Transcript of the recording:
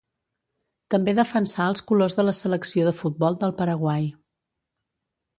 També defensà els colors de la selecció de futbol del Paraguai.